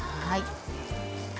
はい。